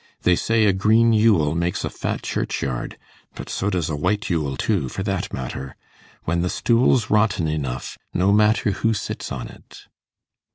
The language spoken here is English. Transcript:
They say a green Yule makes a fat churchyard; but so does a white Yule too, for that matter. When the stool's rotten enough, no matter who sits on it.